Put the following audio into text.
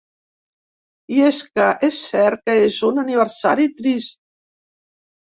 I és que, és cert que és un aniversari trist.